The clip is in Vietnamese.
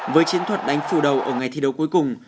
với chiến thuật đánh phù đầu ở ngày thi đấu cuối cùng